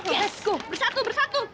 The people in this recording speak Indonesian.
yes go bersatu bersatu